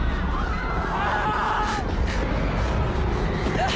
・あっ！